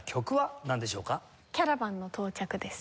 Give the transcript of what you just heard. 『キャラバンの到着』です。